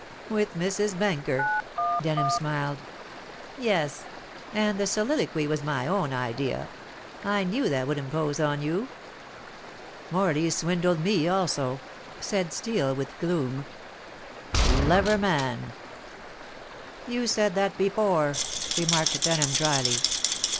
"With Mrs. Benker?" Denham smiled. "Yes; and the soliloquy was my own idea. I knew that would impose on you." "Morley swindled me also," said Steel, with gloom. "Clever man!" "You said that before," remarked Denham dryly.